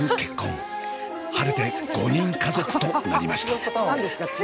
晴れて５人家族となりました。